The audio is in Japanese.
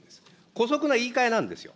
こそくな言い換えなんですよ。